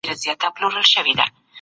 ښاري ژوند انسانان تنبل کوي.